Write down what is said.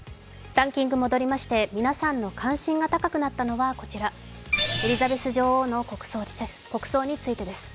ランキング戻りまして皆さんの関心が高かったのはこちらエリザベス女王の国葬についてです。